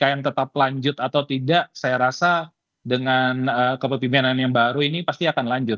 apelanjut atau tidak saya rasa dengan kepemimpinan yang baru ini pasti akan lanjut